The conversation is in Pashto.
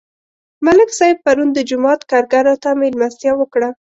ملک صاحب پرون د جومات کارګرو ته مېلمستیا وکړه.